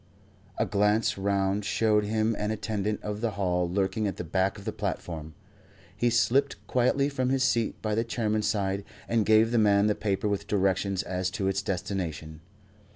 A glance round showed him an attendant of the hall lurking at the back of the platform. He slipped quietly from his seat by the Chairman's side and gave the man the paper with directions as to its destination.